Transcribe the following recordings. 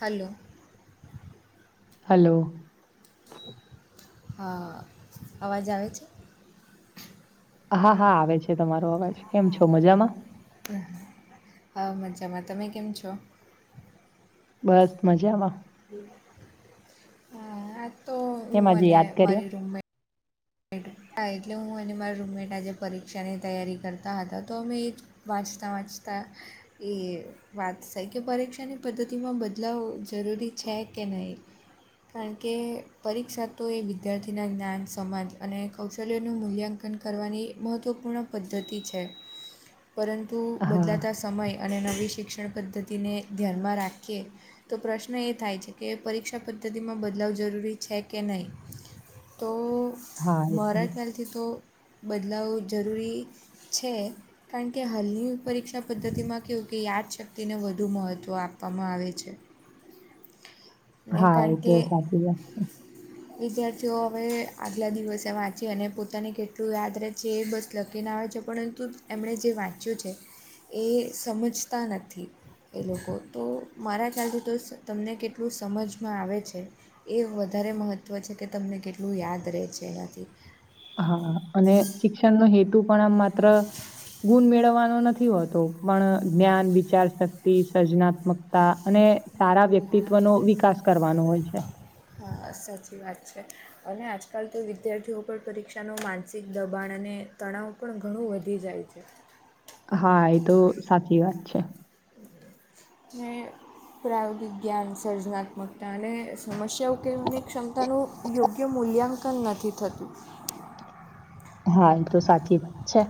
Hello. Hello. હા અવાજ આવે છે? હા હા આવે છે, તમારો અવાજ કેમ છો મજામાં? હા મજામાં, તમે કેમ છો? બસ મજામાં. હા તો હું કેમાંજ અને યાદ કરીએ? મારી રૂમમેટ એટલે હું અને મારા રૂમમેટ આજે પરીક્ષા ની તૈયારી કરતા હતા, તો અમે એ જ વાજતા વાજતા એ વાત છે, કે પરીક્ષાની પદ્ધતિમાં બદલાવ જરૂરી છે, કે નહીં કારણ કે પરીક્ષા તો એ વિદ્યાર્થી ના જ્ઞાન સમાજ અને કૌશલ્યોનું મૂલ્યાંકન કરવાની મહત્ત્વપૂર્ણ પદ્ધતિ છે. પરંતુ હા બદલાતા સમય અને નવી શિક્ષણ પદ્ધતિને ધ્યાનમાં રાખીએ તો પ્રશ્ન એ થાય છે, કે પરીક્ષા પદ્ધતિમાં બદલાવ જરૂરી છે, કે નહીં? તો હા એ તો મારા ખ્યાલથી તો બદલાવ જરૂરી છે. કારણ કે હાલની પરીક્ષા પદ્ધતિમાં કેવું કે યાદશક્તિને વધુ મહત્ત્વ આપવામાં આવે છે. એ હા કાર કે તો સાચી વાત વિદ્યાર્થીઓ હવે આગલા દિવસે વાંચી અને પોતાને કેટલું યાદ રહે જે બસ લખીને આવે છે, પરંતુ એમણે જે વાંચ્યું છે. એ સમજતા નથી એ લોકો તો, મારા ખ્યાલથી તો તમને કેલા એટલું સમજમાં આવે છે. એ વધારે મહત્ત્વ છે, કે તમને કેટલું યાદ રહે છે. એનાથી હા અને શિક્ષણનો હેતુ પણ આમ માત્ર ગુણ મેળવવાનો નથી હોતો પણ જ્ઞાન વિચાર શક્તિ સર્જનાત્મકતા અને સારા વ્યક્તિત્વ નો વિકાસ કરવાનો હોય છે. હા સાચી વાત છે. અને આજકાલ તો વિદ્યાર્થીઓ પર પરીક્ષાનો માનસિક, દબાણ અને તણાવ પણ ઘણું વધી જાય છે. હા એ તો સાચી વાત છે. પ્રાયોગિક જ્ઞાન, સર્જનાત્મકતા અને સમસ્યા યેયું કે મની ક્ષમતાનું યોગ્ય મૂલ્યાંકન નથી થતું. હા એ તો સાચી વાત છે.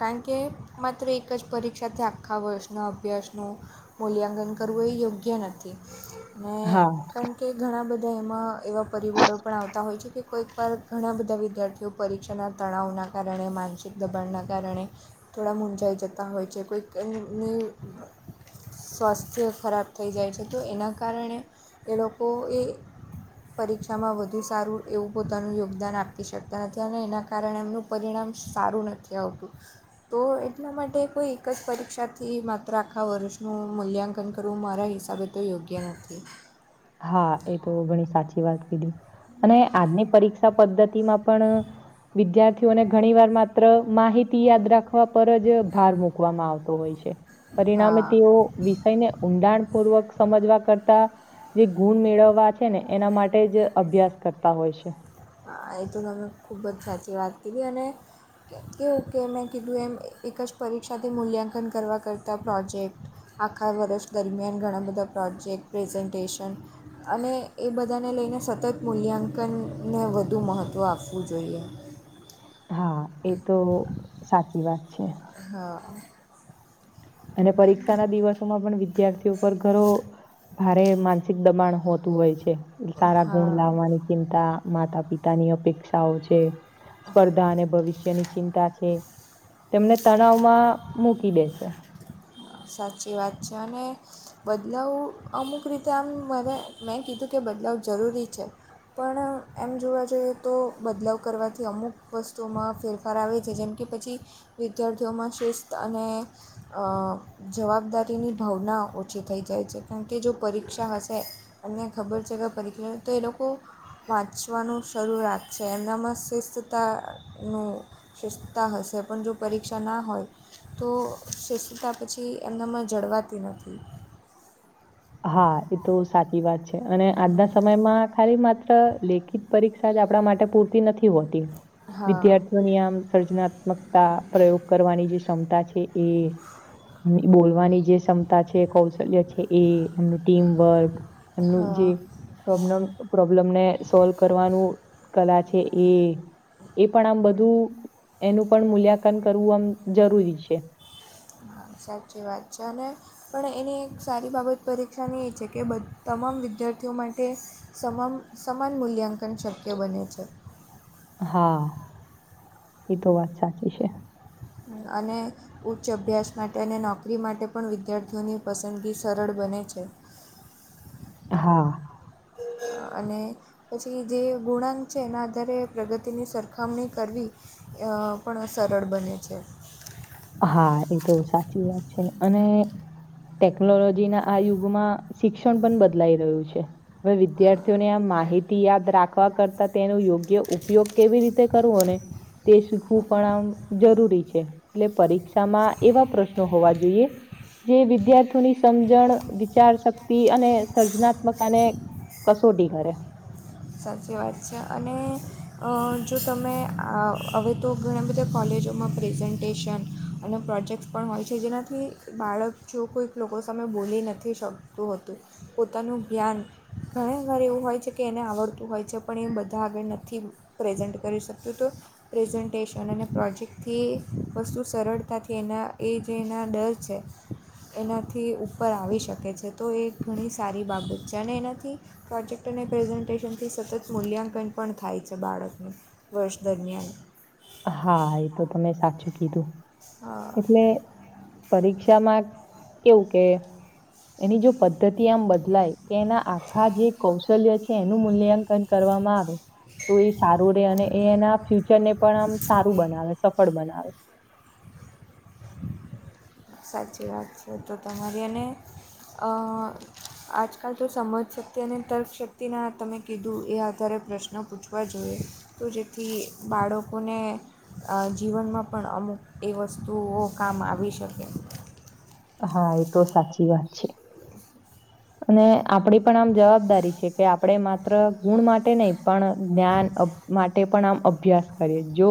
કારણ કે માત્ર એક જ પરીક્ષાથી આખા વર્ષના અભ્યાસનું મૂલ્યાંકન કરવું એ યોગ્ય નથી ને હા કણ કે ઘણા બધા એમાં એવા પરિબળો પણ આવતા હોય છે કે કોઈકવાર ઘણા બધા વિદ્યાર્થી પરીક્ષાના તણાવના કારણે માનસિક દબ દબાડના કારણે થોડા મૂજાઈ જતા હોય છે કોઈ સ્વાસ્થ્ય ખરાબ થઈ જાય છે તો એના કારણે એ લોકો એ પરીક્ષામાં વધુ સારું એવું પોતાનું યોગદાન આપી શકતા નથી અને એના કારણે એમનું પરિણામ સારું નથી આવતું તો એટલા માટે કોઈ એક જ પરીક્ષાથી માત્ર આખા વર્ષનું મૂલ્યાંકન કરવું મારા હિસાબે તે યોગ્ય નથી હા એ તો ઘણી સાચી વાત કીધી અને આજની પરીક્ષા પદ્ધતિ માં પણ વિદ્યાર્થીઓને ઘણી વાર માત્ર માહિતી યાદ રાખવા પર જ ભાર મૂક મુકવામાં આવતો હોય છે પરિણામે હા તેઓ વિષયને ઊંડાણ પૂર્વક સમજવા કરતા જે ગુણ મેળવવા છે ને એના માટે જ અભ્યાસ કરતા હોય છે હા એ તો તમે ખૂબ જ સાચી વાત કીધી અને કે ઓકે મેં કીધું એમ એક જ પરીક્ષાથી મૂલ્યાંકન કરવા કરતાં પ્રોજેક્ટ આખા વર્ષ દરમિયાન ઘણા બધા પ્રોજેક્ટ પ્રેઝન્ટેશન અને એ બધાને લઈને સતત મૂલ્યાંકનને વધુ મહત્ત્વ આપવું જોઈએ હા એ તો સાચી વાત છે. હા. અને પરીક્ષા ના દિવસોમાં પણ વિદ્યાર્થીઓ ઉપર ઘરો ભારે માનસિક દબાણ હોતું હોય છે. સારા ગુણ હા લાવવાની ચિંતા માતા પિતા ની અપેક્ષાઓ છે. સ્પર્ધા અને ભવિષ્યની ચિંતા છે. તેમને તણાવમાં મૂકી દે છે. સાચી વાત છે અને બદલાવ અમુક રીતે આમ મને મેં કીધું કે બદલાવ જરૂરી છે. પણ એમ જોવા જઈએ તો બદલાવ કરવાથી અમુક વસ્તુઓમાં ફેરફાર આવે છે જેમ કે પછી વિદ્યાર્થીઓમાં શિસ્ત અને જવાબદારીની ભાવના ઓછી થઈ જાય છે કારણ કે જો પરીક્ષા હશે. અને ખબર છે કે [unintelligible] તો એ લોકો વાંચવાનું શરૂ રાખશે એમનામાં શિસ્તતાનું શિસ્તતા હશે પણ જો પરીક્ષા ના હોય તો શિસ્તા પછી એમનામાં જળવાતી નથી. હા એ તો સાચી વાત છે અને આજના સમયમાં ખાલી માત્ર લેખિત પરીક્ષા જ આપણા માટે પૂરતી નથી હોતી વિદ્યાર્ હા વિદ્યાર્થી ઓ ની આમ સર્જનાત્મકતા પ્રયોગ કરવાની જે ક્ષમતા છે. એ બોલવાની જે ક્ષમતા છે કૌશલ્ય છે. એ એમનું ટીમવર્ક એમનું હા જે પ્રોબ્લમ પ્રોબ્લેમ ને સોલ્વ કરવાનું કલા છે એ એ પણ આમ બધું એનું પણ મૂલ્યાંકન કરવું આમ જરૂરી છે. હા સાચી વાત છે ને પણ એની એક સારી બાબત પરીક્ષાની એ છે કે તમામ વિદ્યાર્થીઓ માટે સમામ સમાન મૂલ્યાંકન શક્ય બને છે. હા એ તો વાત સાચી છે. અને ઉચ્ચ અભ્યાસ માટે અને નોકરી માટે પણ વિદ્યાર્થીઓની પસંદગી સરળ બને છે. હા. અને પછી જે ગુણાંક છે એના આધારે પ્રગતિની સરખામણી કરવી. પણ સરળ બને છે. હા એ તો સાચી વાત છે, અને ટેકનોલોજી ના આ યુગમાં શિક્ષણ પણ બદલાઈ રહ્યું છે. હ વિદ્યાર્થીઓને આ માહિતી યાદ રાખવા કરતા તેનો યોગ્ય ઉપયોગ કેવી રીતે કરવો ને તે શીખવું પણ આમ જરૂરી છે. એટલે પરીક્ષામાં એવા પ્રશ્નો હોવા જોઈએ. જે વિદ્યાર્થીઓની સમજણ વિચાર શક્તિ અને સર્જનાત્મકતાને કસોટી કર્યા. સાચી વાત છે, અને જો તમે હવે તો ઘણા બધા કોલેજો માં પ્રેઝન્ટેશન, અને પ્રોજેક્ટસ પણ હોય છે જેનાથી બાળક જો કોઈ લોકો સામે બોલી નથી શકતું હોતું. પોતાનું જ્ઞાન ઘણી વાર એવું હોય છે કે એને આવડતું હોય છે પણ એ બધા હ નથી પ્રેઝન્ટ કરી શક્યું તો પ્રેઝન્ટેશન અને પ્રોજેક્ટથી વસ્તુ સરળતાથી એના એ જેના દસ પ છેે. એનાથી ઉપર આવી શકે છે તો એ ઘણી સારી બાબત છે અને એનાથી પ્રોજેક્ટ અને પ્રેઝન્ટેશન થી સતત મૂલ્યાંકન પણ થાય છે બાળકને વર્ષ દરમિયાન. હા એ તો તમે સાચું કીધું, હા એટલે પરીક્ષામાં કેવું કે, એની જો- - પદ્ધતિ આમ બદલાય કે એના આખા જે કૌશલ્ય છે એનું મૂલ્યાંકન કરવામાં આવે. તો એ સારું રે અને એ એના ફ્યુચર ને પણ આમ સારું બનાવે સ ફળ બનાવે. સાચી વાત છે તો તમારી, એને આજકાલ તો સમજ શક્તિ અને તર્કશક્તિ ના તમે કીધું એ આધારે પ્રશ્ન પૂછવા જોઈએ. તો જેથી બાળકોને જીવનમાં પણ અમુક એ વસ્તુઓ કામ આવી શકે. હા એ તો સાચી વાત છે, અને આપડી પણ આમ જવાબદારી છે. કે આપણે માત્ર ગુણ માટે નહી પણ જ્ઞાન માટે પણ આમ અભ્યાસ કરીએ, જો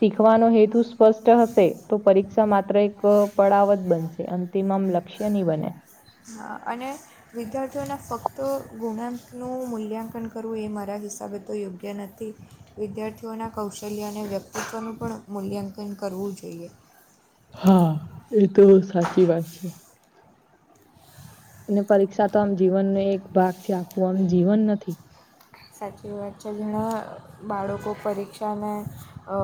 શીખવાનો હેતુ સ્પષ્ટ હશે તો પરીક્ષા માત્ર એક પડાવત બનશે. અંતિમ આમ લક્ષ્ય નઇ બને. હ અને વિદ્યાર્થીઓને ફક્ત ગુણાંકનું મૂલ્યાંકન કરવું એ મારા હિસાબે તો યોગ્ય નથી. વિદ્યાર્થીઓના કૌશલ્ય અને વ્યક્તિત્વનું પણ મૂલ્યાંકન કરવું જોઈએ. હા એ તો સાચી વાત છે. અને પરીક્ષા તો આમ જીવનનો એક ભાગ છે આખું આમ જીવન નથી. સાચી વાત છે જેણે બાળકો પરીક્ષાને અ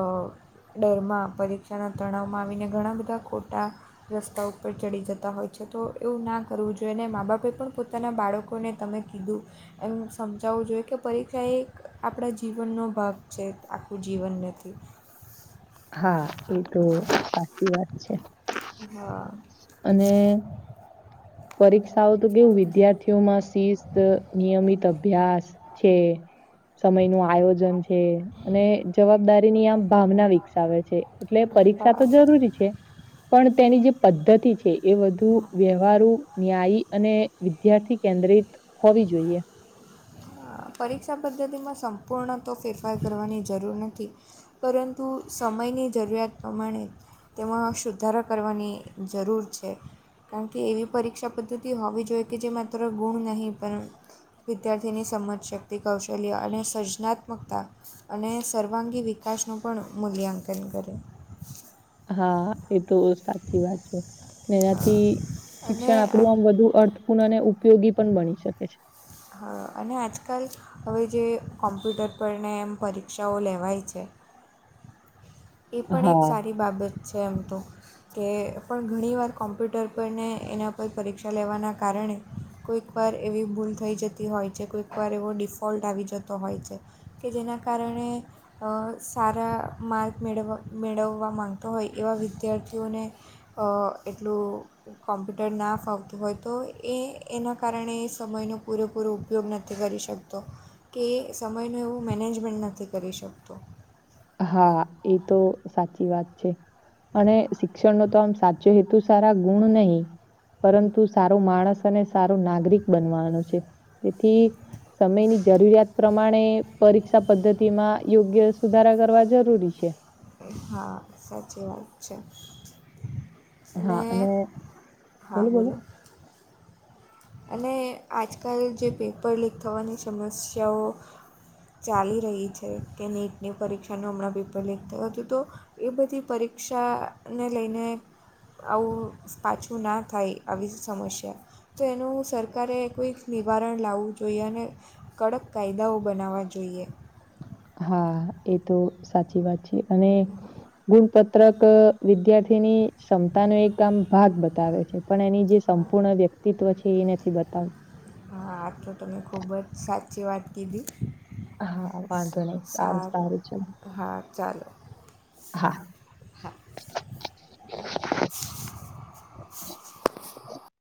ડરમાં પરીક્ષાના તણાવમાં આવીને ઘણા બધા ખોટા રસ્તા ઉપર ચડી જતા હોય છે તો એવું ના કરવું જોઈએ અને મા બાપે પણ પોતાના બાળકોને તમે કીધું એમ સમજાવવું જોઈએ કે પરીક્ષા એક આપણા જીવનનો ભાગ છે આખું જીવન નથી. હા એ તો સાચી વાત છે. હા. અને પરીક્ષાઓ તો કેવું વિદ્યાર્થીઓમાં શિસ્ત નિયમિત અભ્યાસ છે સમય નું આયોજન છે અને જવા બદારી ની આમ ભાવના વિકસાવે છે એટલે પરીક્ષા હા તો જરૂરી છે. પણ તેની જે પદ્ધતિ છે એ વધુ વ્યવ ન્યાયી અને વિદ્યાર્થી કેન્દ્રિત હોવી જોઈએ. પરીક્ષા પદ્ધતિમાં સંપૂર્ણ તો ફેરફાર કરવાની જરૂર નથી. પરંતુ સમયની જરૂરિયાત પ્રમાણે- - તેમાં સુધારા કરવાની જરૂર છે. કારણ કે એવી પરીક્ષા પદ્ધતિ હોવી જોઈએ કે જે માત્ર ગુણ નહીં- - પણ વિદ્યાર્થીની સમજ શક્તિ કૌશલ્ય અને સર્જનાત્મકતા- - અને સર્વાંગી વિકાસનું પણ મૂલ્યાંકન કરે- - હા એ તો સાચી વાત છે હા એનાથી- - અને શિક્ષણ આ આપણું આમ વધુ અર્થપૂર્ણ અને ઉપયોગી પણ બની શકે છે. હ અને આજકાલ હવે જે કોમ્પ્યુટર પરને એમ પરીક્ષાઓ લેવાય છે. એ પણ એક હા સારી બાબત છે એમ તો. કે પણ ઘણીવાર કોમ્પ્યુટર પર ને એના પર પરીક્ષા લેવાના કારણે- - કોઈક વાર એવી ભૂલ થઈ જતી હોય છે કોઈક વાર એવો ડિફોલ્ટ આવી જતો હોય છે. કે જેના કારણે સારા મા- - મેળવ મેળવવા મામાંગતો હોય એવા વિદ્યાર્થીઓને એટલું- - કોમ્પ્યુટર ના ફાવતું હોય તો એ એના કારણે એ સમયનું પૂરેપૂરું- - ઉપયોગ નથી કરી શકતો કે સમયનું એવું મેનેજમેન્ટ નથી કરી શકતો- - હા એ તો સાચી વાત છે. અને શિક્ષણ નો તો આમ સાચો હેતુ સારા ગુણ નહી- - પરંતુ સારો માણસ અને સારો નાગરિક બનવાનો છે તેથી સમયની જરૂરિયાત પ્રમાણે પરીક્ષા પદ્ધતિ માં યોગ્ય સુધારા કરવા જરૂરી છે હા સાચી વાત છે અને હા બોલો અને આજકાલ જે પેપર લીક થવાની સમસ્યાઓ ચાલી રહી છે કે નીટની પરીક્ષાનું હમણાં પેપર લેક થયું હતું તો એ બધી પરીક્ષાને લઈને આવું પાછું ના થાય આવી સમસ્યા તો એનું સરકારે કોઈક નિવારણ લાવવું જોઈએ અને કડક કાયદાઓ બનાવવા જોઈએ હા એ તો સાચી વાત છે અને ગુણપત્રક વિદ્યાર્થીની ક્ષમતા ન એક આમ ભાગ બતાવે છે પણ એની જે સંપૂર્ણ વ્યક્તિત્વ છે એ નથી બતાવ હા આ તો તમે ખૂબ જ સાચી વાત કીધી હા વાંધો નહી સારું સારું ચલો હા ચાલો હા